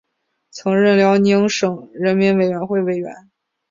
曾任辽宁省人民委员会委员。